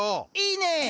いいね！